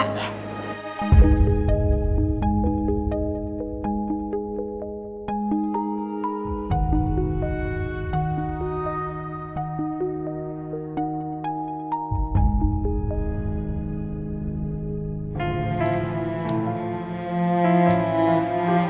ya sudah pak